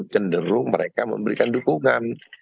cenderung mereka memberikan dukungan